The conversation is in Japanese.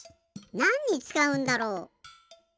なんにつかうんだろう？